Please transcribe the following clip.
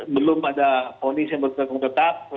belum ada polis yang berkuasa hukum tetap